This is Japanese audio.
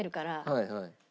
はいはい。